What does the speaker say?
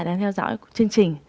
đang theo dõi chương trình